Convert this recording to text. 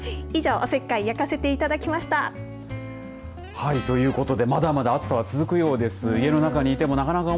以上おせっかいということでまだまだ暑さは続くようです。